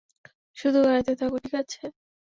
শুধু গাড়িতে থাকো, ঠিক আছে?